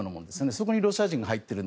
そこにロシア人が入っていると。